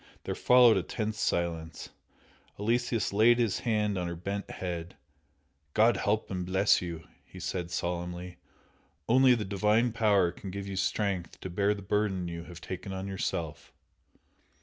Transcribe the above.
There followed a tense silence Aloysius laid his hand on her bent head "God help and bless you!" he said, solemnly "Only the Divine Power can give you strength to bear the burden you have taken on yourself!"